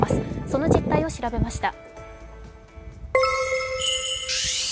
その実態を調べました。